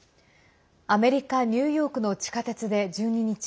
アメリカ・ニューヨークの地下鉄で１２日